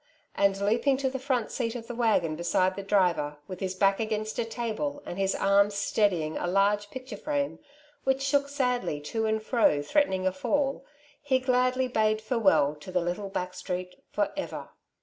'' and leaping to the front seat of the waggon beside the driver, with his back against a table, and his arms steadying a large picture frame, which shook sadly to and fro threatening a fall, he gladly bade fare well to the little back street for ever.